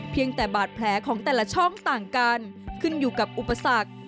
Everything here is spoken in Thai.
แต่บาดแผลของแต่ละช่องต่างกันขึ้นอยู่กับอุปสรรค